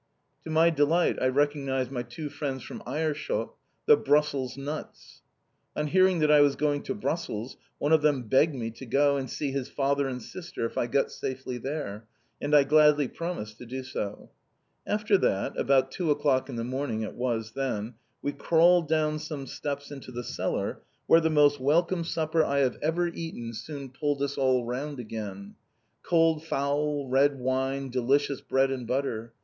To my delight I recognised my two friends from Aerschot, the "Brussels nuts." On hearing that I was going to Brussels one of them begged me to go and see his father and sister, if I got safely there. And I gladly promised to do so. After that (about two o'clock in the morning it was then) we crawled down some steps into the cellar, where the most welcome supper I have ever eaten soon pulled us all round again. Cold fowl, red wine, delicious bread and butter.